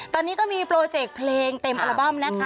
ตอนนี้ก็มีโปรเจกต์เพลงเต็มอัลบั้มนะคะ